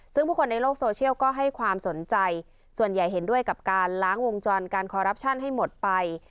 ซึ่งผู้คนในโลกโซเชียลก็ให้ความสนใจส่วนใหญ่เห็นด้วยกับการล้างวงจรการคอรัปชั่นให้หมดไป